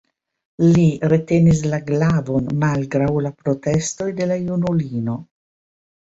Li retenis la glavon malgraŭ la protestoj de la junulino.